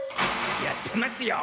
やってますよ！